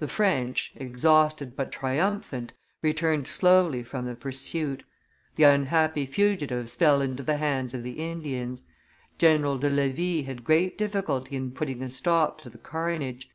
The French, exhausted but triumphant, returned slowly from the pursuit; the unhappy fugitives fell into the hands of the Indians; General de Levis had great difficulty in putting a stop to the carnage.